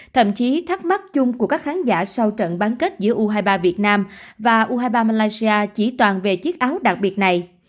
thậm chí thắc mắc chung của các khán giả sau trận bán kết giữa u hai mươi ba việt nam và u hai mươi ba malaysia chỉ toàn về chiếc áo đặc biệt này